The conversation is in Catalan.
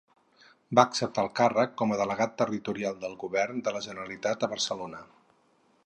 Va acceptar el càrrec com a Delegat Territorial del Govern de la Generalitat a Barcelona.